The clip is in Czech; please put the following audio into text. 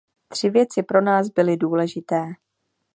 Tři věci pro nás byly důležité.